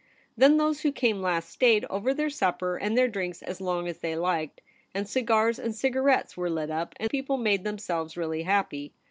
Then those who came last stayed over their supper and their drinks as long as they liked, and cigars and cigarettes were lit up, and people made themselves really happy.